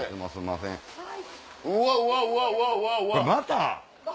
また？